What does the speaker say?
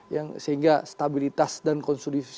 yang sehingga stabilitas dan konservatifitas itu tercipta